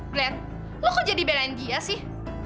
glenn lo kok jadi belain dia sih